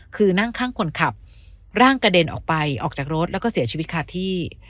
คือนั่งข้างคนขับร่างกระเด็นออกไปออกจากรถแล้วก็เสียชีวิตคาที่